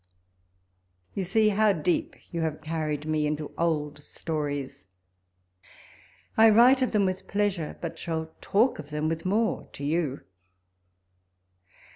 You see how deep you have carried me into old stories ; I write of them with pleasure, but shall talk of them with more to you.